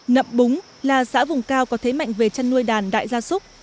nậm búng là xã vùng cao có thế mạnh về chăn nuôi đàn đại gia súc